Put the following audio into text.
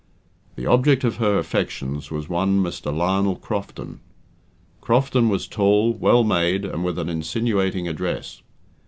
The object of her affections was one Mr. Lionel Crofton. Crofton was tall, well made, and with an insinuating address.